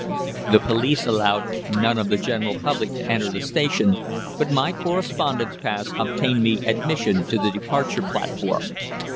The police allowed none of the general public to enter the station, but my correspondent's pass obtained me admission to the departure platform.